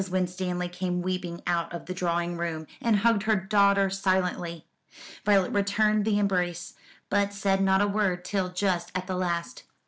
Winstanley came weeping out of the drawing room, and hugged her daughter silently. Violet returned the embrace, but said not a word till just at the last.